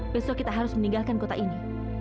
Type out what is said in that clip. besok kita harus meninggalkan kota ini